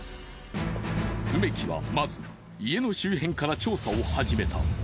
梅木はまず家の周辺から調査を始めた。